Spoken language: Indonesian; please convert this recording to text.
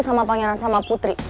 sama pangeran sama putri